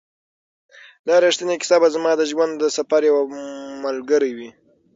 دا ریښتینې کیسه به زما د ژوند د سفر یو ملګری وي.